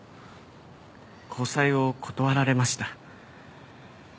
交際を断られました。